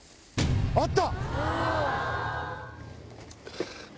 あった！